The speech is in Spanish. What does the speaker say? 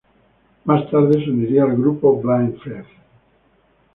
Más tarde se uniría al grupo Blind Faith.